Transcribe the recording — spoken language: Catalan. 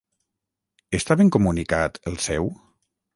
Està ben comunicat el seu??